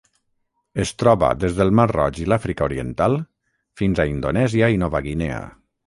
Es troba des del mar Roig i l'Àfrica Oriental fins a Indonèsia i Nova Guinea.